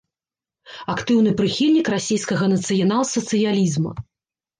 Актыўны прыхільнік расейскага нацыянал-сацыялізма.